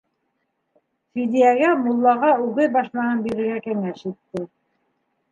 Фидиәгә муллаға үгеҙ башмағын бирергә кәңәш итте.